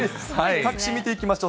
各紙見ていきましょう。